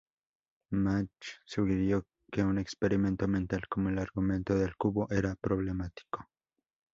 Mach sugirió que un experimento mental como el argumento del cubo era problemático.